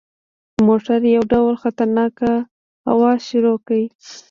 موټر یو ډول خطرناک اواز شروع کړ.